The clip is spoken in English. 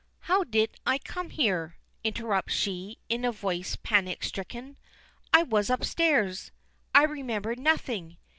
"How did I come here?" interrupts she, in a voice panic stricken. "I was upstairs; I remember nothing.